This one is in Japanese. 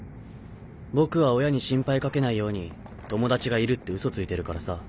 僕は親に心配かけないように友達がいるってウソついてるからさ。